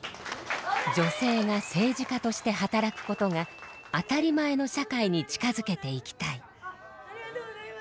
女性が政治家として働くことが当たり前の社会に近づけていきたい。